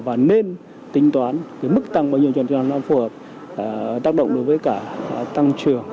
và nên tính toán cái mức tăng bao nhiêu cho nó phù hợp tác động đối với cả tăng trưởng